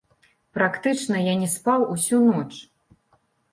Практычна я не спаў усю ноч.